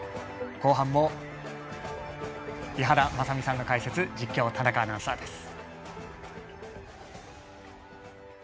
後半も井原正巳さんの解説実況、田中アナウンサーです。